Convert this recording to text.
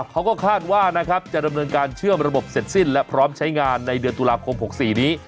เขาก็คาดว่านะครับจะดำเนินการเชื่อมระบบเสร็จสิ้นและพร้อมใช้งานในเดือนตุลาคม๖๔นี้